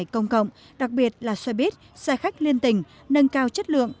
công cộng đặc biệt là xe buýt xe khách liên tình nâng cao chất lượng